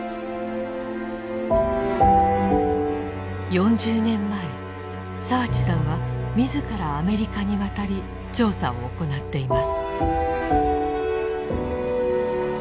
４０年前澤地さんは自らアメリカに渡り調査を行っています。